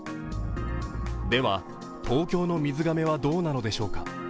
では東京の水がめはどうなのでしょうか？